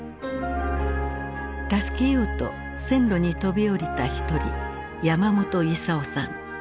助けようと線路に飛び降りた一人山本勲さん。